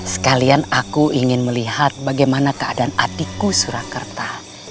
sekalian aku ingin melihat bagaimana keadaan adikku surakarta